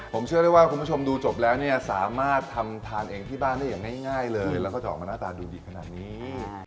ผมเชื่อได้ว่าคุณผู้ชมดูจบแล้วเนี่ยสามารถทำทานเองที่บ้านได้อย่างง่ายเลยแล้วก็จะออกมาหน้าตาดูดีขนาดนี้